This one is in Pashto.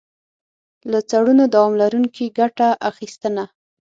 له څړونو دوام لرونکي ګټه اخیستنه.